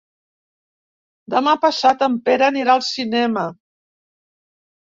Demà passat en Pere anirà al cinema.